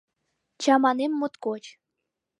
Чаманем моткоч.